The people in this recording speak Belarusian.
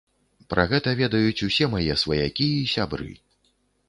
Пра гэта ведаюць усе мае сваякі і сябры.